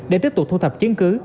để tiếp tục thu thập chứng cứ